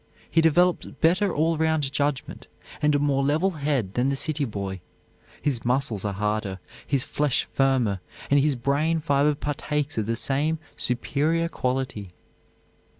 He develops better all round judgment and a more level head than the city boy. His muscles are harder, his flesh firmer, and his brain fiber partakes of the same superior quality.